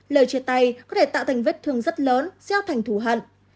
lời chia tay có thể tạo thành vết thương rất lớn gieo thành thủ hận